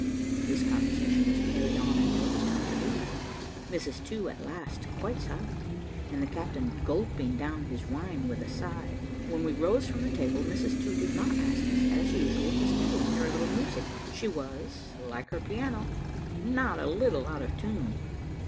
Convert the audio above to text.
This conversation was carried on until it was time to leave Mrs To at last quite silent, and the captain gulping down his wine with a sigh. When we rose from table, Mrs To did not ask us, as usual, to stay and hear a little music; she was, like her piano, not a little out of tune.